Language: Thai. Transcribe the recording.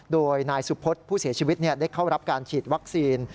โดยนายสุพศผู้เสียชีวิตได้เข้ารับการฉีดวัคซีน